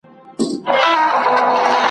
او لږ تر لږه په سیمه کې